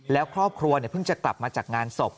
แล้วครอบครัวเพิ่งจะกลับมาจากงานศพ